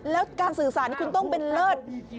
แล้วการสื่อสารคุณต้องเป็นเลิศ